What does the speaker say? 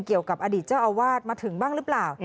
เกี่ยวกับอดีตเจ้าอาวาสมาถึงบ้างหรือเปล่า